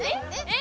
え？